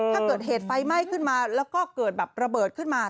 ถ้าเกิดเหตุไฟไหม้ขึ้นมาแล้วก็เกิดแบบระเบิดขึ้นมา